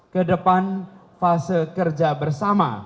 kedepan fase kerja bersama